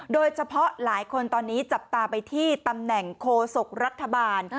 โดยเฉพาะหลายคนตอนนี้จับตาไปที่ตำแหน่งโคศกรัฐบาล